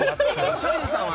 松陰寺さんは？